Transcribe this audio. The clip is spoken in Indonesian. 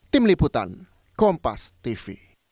tim liputan kompas tv